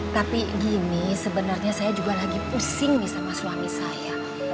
tapi gini sebenarnya saya juga lagi pusing nih sama suami saya